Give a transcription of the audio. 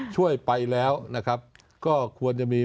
ช่วยไปแล้วนะครับก็ควรจะมี